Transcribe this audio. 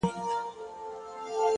پوهه د ذهن افق ته رڼا ورکوي!.